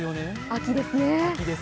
秋ですね。